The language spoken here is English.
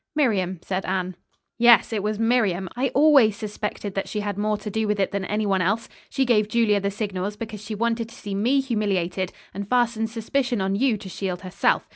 "Miriam," said Anne. "Yes, it was Miriam. I always suspected that she had more to do with it than anyone else. She gave Julia the signals, because she wanted to see me humiliated, and fastened suspicion on you to shield herself.